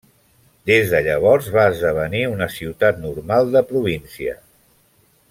Des de llavors va esdevenir una ciutat normal de província.